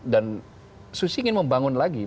dan susi ingin membangun lagi